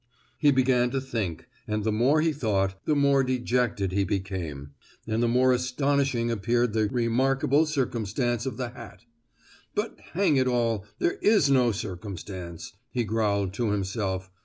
He began to think; and the more he thought, the more dejected he became, and the more astonishing appeared the "remarkable circumstance of the hat." "But, hang it all, there is no circumstance!" he growled to himself.